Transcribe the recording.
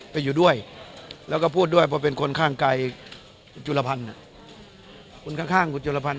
ไปอยู่ด้วยแล้วก็พูดด้วยพอเป็นคนข้างไกลจุระพันธุ์